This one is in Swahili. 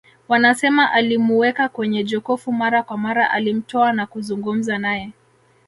Wanasema alimuweka kwenye jokofu mara kwa mara alimtoa na kuzungumza naye